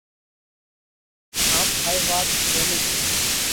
ۿاپ هائي وات موني ڳيو۔